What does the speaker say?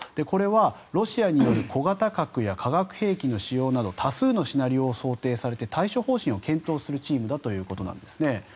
これはロシアによる小型核や化学兵器の使用など多数のシナリオを想定されて対処方針を検討するチームということです。